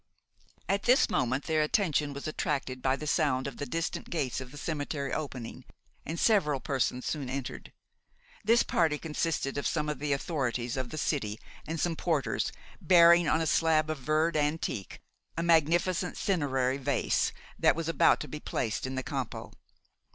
At this moment their attention was attracted by the sound of the distant gates of the cemetery opening, and several persons soon entered. This party consisted of some of the authorities of the city and some porters, bearing on a slab of verd antique a magnificent cinerary vase, that was about to be placed in the Campo.